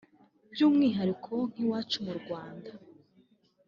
byúmwihariko nk’iwacu mu Rwanda